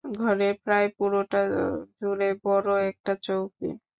ঘরের প্রায় পুরোটা জুড়ে বড় একটা চৌকি।